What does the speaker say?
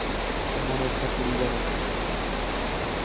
তোমার একটা পরিবার আছে।